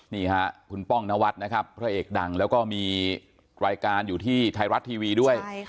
นี่ค่ะคุณป้องนวัดนะครับพระเอกดังแล้วก็มีรายการอยู่ที่ไทยรัฐทีวีด้วย